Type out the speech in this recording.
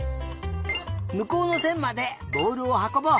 むこうのせんまでぼおるをはこぼう。